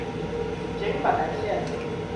捷運板南線